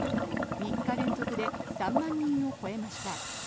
３日連続で３万人を超えました。